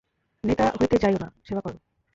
নেতা হইতে যাইও না, সেবা কর।